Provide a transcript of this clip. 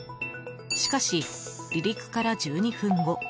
しかし、離陸から１２分後。